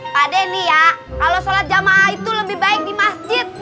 pak denny ya kalau sholat jamaah itu lebih baik di masjid